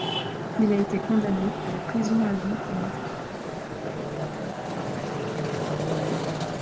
Il a été condamné à la prison à vie pour meurtre.